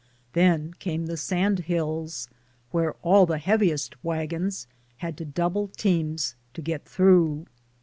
Then came the Sand Hills, where all the heaviest wagons had to double teams to get through.